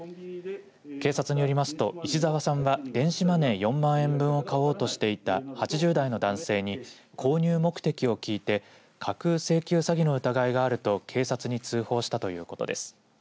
警察によりますと石澤さんは電子マネー４万円分を買おうとしていた８０代の男性に購入目的を聞いて架空請求詐欺の疑いがあると警察に通報したということです。